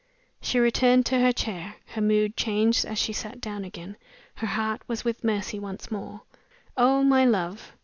She returned to her chair. Her mood changed as she sat down again her heart was with Mercy once more. "Oh, my love!"